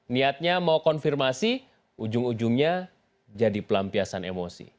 niatnya mau konfirmasi ujung ujungnya jadi pelampiasan emosi